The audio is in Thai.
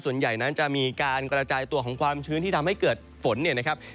ส่วนใหญ่นั้นจะมีการกระจายตัวของความชื้นที่ทำให้เกิดฝนเนี่ยนะครับ